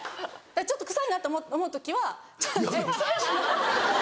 ちょっと臭いなって思う時は。